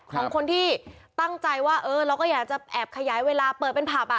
ของคนที่ตั้งใจว่าเออเราก็อยากจะแอบขยายเวลาเปิดเป็นผับ